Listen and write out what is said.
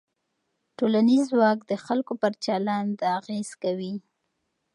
ټولنیز ځواک د خلکو پر چلند اغېز کوي.